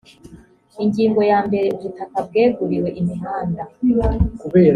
ingingo ya mbere ubutaka bweguriwe imihanda